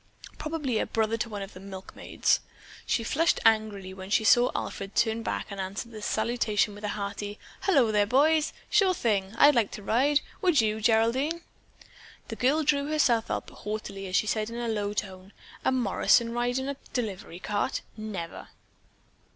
"Probably a brother to one of the milkmaids." She flushed angrily when she saw Alfred turn back and answer the salutation with a hearty, "Hullo there, boys. Sure thing, I'd like to ride! Would you, Geraldine?" The girl drew herself up haughtily as she said in a low tone: "A Morrison ride in a delivery cart? Never."